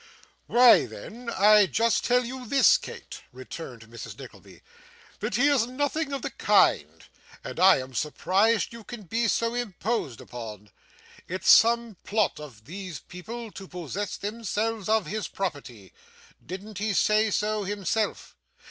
'Why then, I just tell you this, Kate,' returned Mrs. Nickleby, 'that, he is nothing of the kind, and I am surprised you can be so imposed upon. It's some plot of these people to possess themselves of his property didn't he say so himself?